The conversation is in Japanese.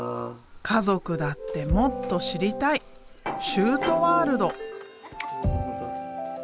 家族だってもっと知りたい修杜ワールド。